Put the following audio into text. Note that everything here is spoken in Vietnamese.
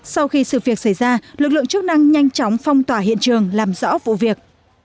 sau khi sự việc xảy ra lực lượng chức năng nhanh chóng phong tỏa hiện trường làm rõ vụ việc